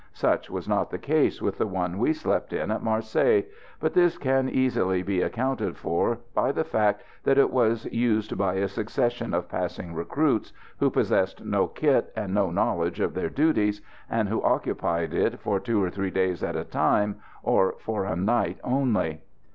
Such was not the case with the one we slept in at Marseilles; but this can easily be accounted for by the fact that it was used by a succession of passing recruits, who possessed no kit and no knowledge of their duties, and who occupied it for two or three days at a time, or for a night only.